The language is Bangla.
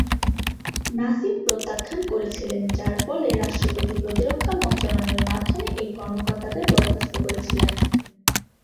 নাসিম প্রত্যাখ্যান করেছিলেন যার ফলে রাষ্ট্রপতি প্রতিরক্ষা মন্ত্রণালয়ের মাধ্যমে এই কর্মকর্তাদের বরখাস্ত করেছিলেন।